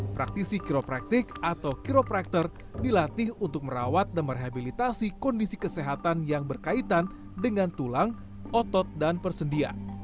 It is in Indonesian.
praktisi kiropraktik atau kroprakter dilatih untuk merawat dan merehabilitasi kondisi kesehatan yang berkaitan dengan tulang otot dan persendian